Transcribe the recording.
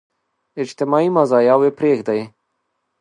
اجتماعي مزاياوې پرېږدي.